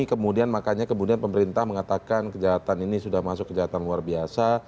kemudian makanya kemudian pemerintah mengatakan kejahatan ini sudah masuk kejahatan luar biasa